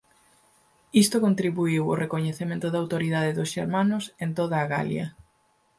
Isto contribuíu ao recoñecemento da autoridade dos xermanos en toda a Galia.